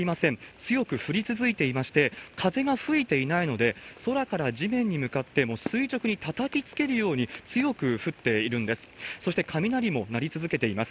強く降り続いていまして、風が吹いていないので、空から地面に向かってもう垂直にたたきつけるように、強く降っているんです。